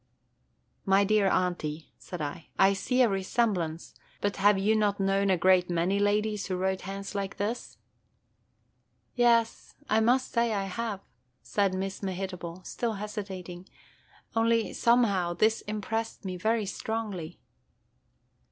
"My dear Aunty," said I, "I see a resemblance; but have you not known a great many ladies who wrote hands like this?" "Yes, I must say I have," said Miss Mehitable, still hesitating, – "only, somehow, this impressed me very strongly."